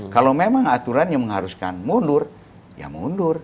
kalau memang aturannya mengharuskan mundur ya mundur